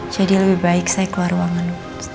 jadi lebih baik saya keluar ruangan